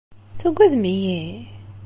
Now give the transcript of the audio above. Tuggadem-iyi?